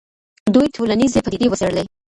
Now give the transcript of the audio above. دوی ټولنیزې پدیدې وڅېړلې.